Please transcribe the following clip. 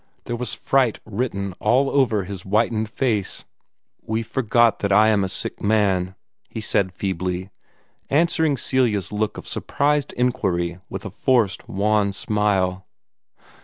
There was fright written all over his whitened face. "We we forgot that I am a sick man," he said feebly, answering Celia's look of surprised inquiry with a forced, wan smile.